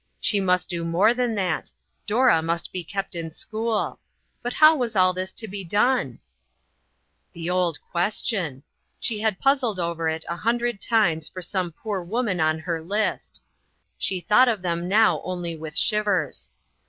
She must do more than that: Dora must be kept in school. But how was all this to be done ? The old question ! She had puzzled over it a hundred times for some poor woman on her list. She thought of them now only with shivers.